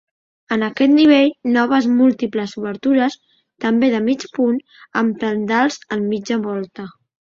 En aquest nivell, noves múltiples obertures també de mig punt amb tendals en mitja volta.